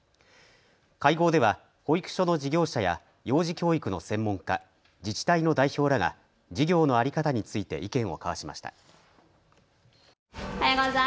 会合では保育所の事業者や幼児教育の専門家、自治体の代表らが事業の在り方について意見を交わしました。